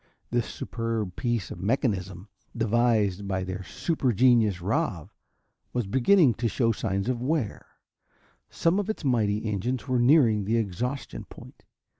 This superb piece of mechanism devised by their super genius, Ravv, was beginning to show signs of wear. Some of its mighty engines were nearing the exhaustion point.